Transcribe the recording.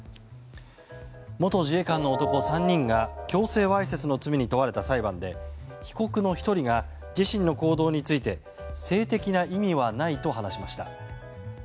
元自衛官の男３人が強制わいせつの罪に問われた裁判で被告の１人が自身の行動について性的な意味はないと話しました。